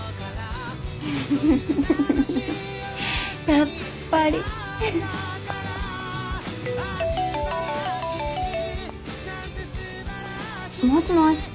やっぱり。もしもし。